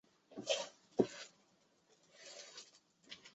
德雷下韦雷的一部分。